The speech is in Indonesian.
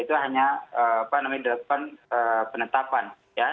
itu hanya penetapan